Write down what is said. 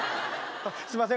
「すいません